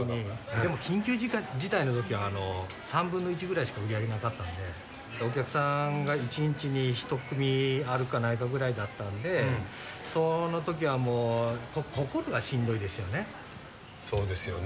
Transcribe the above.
でも緊急事態のときは３分の１ぐらいしか売り上げなかったんで、お客さんが１日に１組あるかないかぐらいだったんで、そのときはもう、そうですよね。